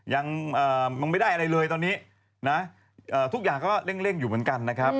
ยังไม่ได้อะไรเลยตอนนี้นะทุกอย่างก็เร่งอยู่เหมือนกันนะครับ